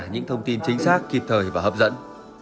những thông tin chính xác kịp thời và hấp dẫn